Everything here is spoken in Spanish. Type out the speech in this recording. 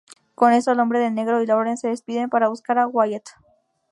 Con eso, el Hombre de Negro y Lawrence se despiden para buscar a Wyatt.